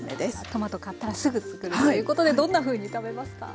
トマト買ったらすぐ作るということでどんなふうに食べますか？